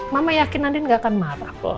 mama yakin andin gak akan marah